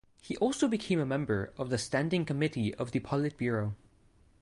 He also became a member of the Standing Committee of the Politburo.